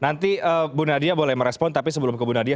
nanti bu nadia boleh merespon tapi sebelum ke bu nadia